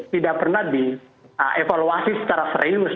tidak pernah dievaluasi secara serius